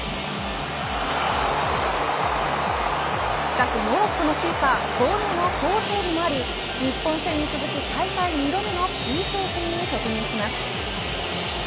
しかしモロッコのキーパーボノの好セーブもあり日本戦に続く大会２度目のＰＫ戦に突入します。